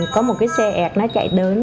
có một cái xe ẹt nó chạy đến